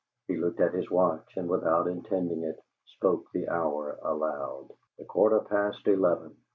He looked at his watch and, without intending it, spoke the hour aloud: "A quarter past eleven."